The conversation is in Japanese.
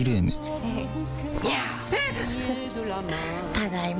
ただいま。